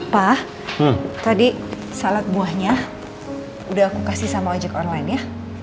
pak tadi salad buahnya udah aku kasih sama ojek online ya